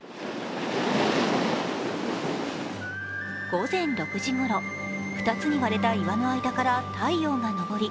午前６時ごろ、２つに割れた岩の間から太陽が昇り